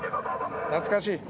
懐かしい。